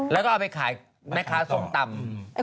แล้วก็เอาไปขายแม่ค้าส้มตำ